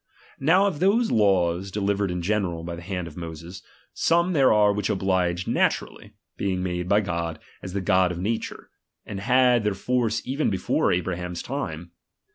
Now of those laws, delivered in general by the hand of Moses, some there are which oblige naturally, being made by God, as the God of nature, and had their force even before Abraham's time.